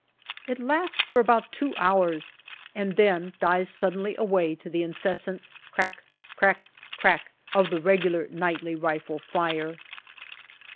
It lasts for about two hours, and then dies suddenly away to the incessant crack crack crack of the regular nightly rifle fire.